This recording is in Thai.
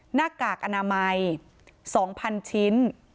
หน้ากากอนามัย๒๐๐๐ชิ้น